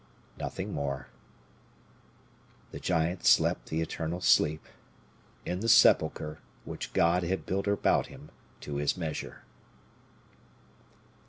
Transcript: Nothing more. The giant slept the eternal sleep, in the sepulcher which God had built about him to his measure.